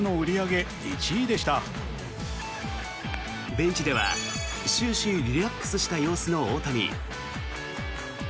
ベンチでは終始リラックスした様子の大谷。